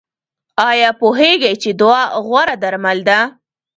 ایا پوهیږئ چې دعا غوره درمل ده؟